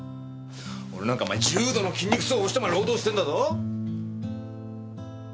俺なんかお前重度の筋肉痛を押しても労働してんだぞ。